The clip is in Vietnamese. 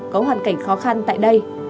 có hoàn cảnh khó khăn tại đây